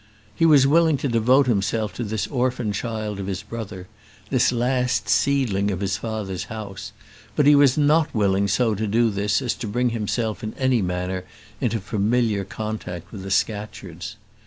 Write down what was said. He was willing to devote himself to this orphan child of his brother, this last seedling of his father's house; but he was not willing so to do this as to bring himself in any manner into familiar contact with the Scatcherds.